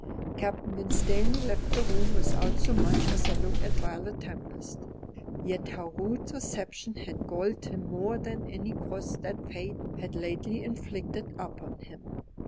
Captain Winstanley left the room without so much as a look at Violet Tempest. Yet her rude reception had galled him more than any cross that fate had lately inflicted upon him.